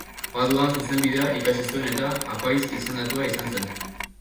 Paduan zuzenbidea ikasi zuen eta apaiz izendatua izan zen.